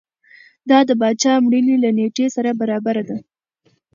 دا د پاچا مړینې له نېټې سره برابره ده.